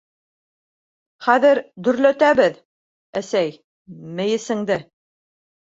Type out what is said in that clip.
— Хәҙер дөрләтәбеҙ, әсәй, мейесеңде!